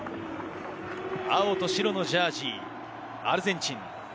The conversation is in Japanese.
青と白のジャージー・アルゼンチン。